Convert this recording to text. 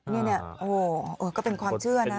นี่โอ้โหก็เป็นความเชื่อนะ